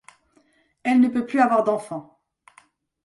Elle ne peut plus avoir d’enfant.